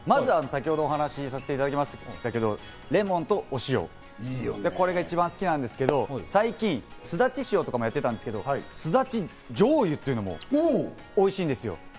先程、お話させていただきましたけどレモンとお塩、これが一番好きなんですけど、最近すだち塩とかもやってたんですけど、すだち醤油というのもおいしいんですよ。